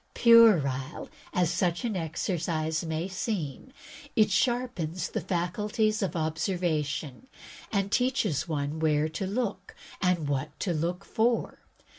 Puerile as such an exercise may seem, it sharpens the faculties of observation and teaches one where to look and what to look for.